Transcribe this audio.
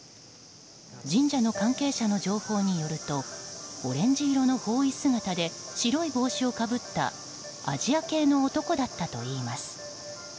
神社の関係者の情報によるとオレンジ色の法衣姿で白い帽子をかぶったアジア系の男だったといいます。